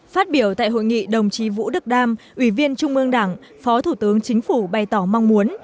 phát biểu tại hội nghị đồng chí vũ đức đam ủy viên trung ương đảng phó thủ tướng chính phủ bày tỏ mong muốn